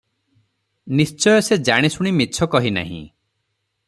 ନିଶ୍ଚୟ ସେ ଜାଣିଶୁଣି ମିଛ କହି ନାହିଁ ।